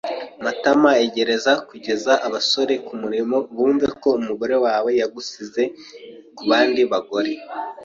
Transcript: Matamaegereza kugeza abasore kumurimo bumve ko umugore wawe yagusize kubandi bagore.